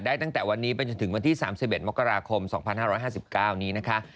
ตั้งแต่วันนี้ไปจนถึงวันที่๓๑มกราคม๒๕๕๙นี้นะคะ